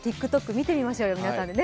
見てみましょうよ、皆さんでね。